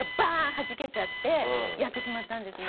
はじけちゃってやってしまったんですね。